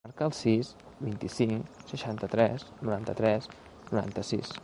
Marca el sis, vint-i-cinc, seixanta-tres, noranta-tres, noranta-sis.